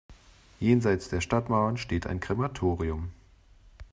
Jenseits der Stadtmauern steht ein Krematorium.